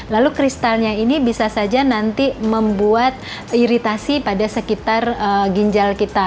lalu kristalnya ini bisa saja nanti membuat iritasi pada sekitar ginjal kita